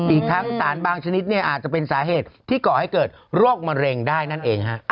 อีกทั้งสารบางชนิดอาจจะเป็นสาเหตุที่ก่อให้เกิดโรคมะเร็งได้นั่นเองฮะ